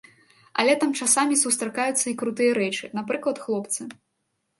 Але там часамі сустракаюцца і крутыя рэчы, напрыклад, хлопцы.